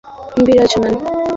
আমরা সর্বত্র বিরাজমান।